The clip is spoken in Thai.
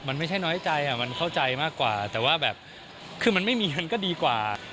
มันไม่ใช่น้อยใจมันเข้าใจมากกว่าแต่ว่าแบบคือมันไม่มีมันก็ดีกว่า